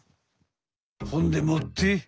ほんでもって。